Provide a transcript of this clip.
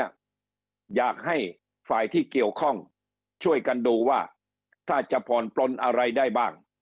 อยากให้ฝ่ายที่เกี่ยวข้องช่วยกันดูว่าถ้าจะผ่อนปลนอะไรได้บ้าง